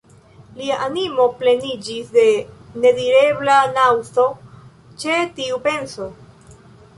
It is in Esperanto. Lia animo pleniĝis de nedirebla naŭzo ĉe tiu penso.